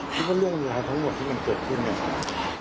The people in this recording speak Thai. มีบ้างเรื่องอะไรค่ะทั้งหมดที่มันเกิดขึ้น